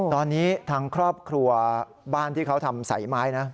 ตอนนี้ทางครอบครัวบ้านที่เขาทำสายไม้นะ